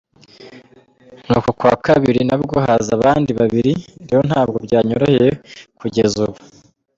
Nuko ku wa kabiri nabwo haza abandi babiri, rero ntabwo byanyoroheye kugeza ubu.